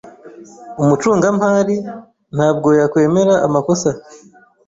Umucungamari ntabwo yakwemera amakosa.